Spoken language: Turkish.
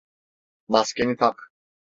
Maskeni tak.